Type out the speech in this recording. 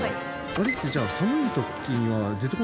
アリってじゃあ寒い時には出てこないんですか？